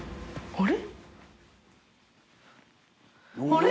あれ？